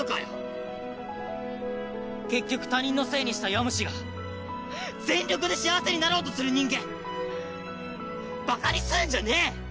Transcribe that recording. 結局他人のせいにした弱虫が全力で幸せになろうとする人間バカにすんじゃねぇ！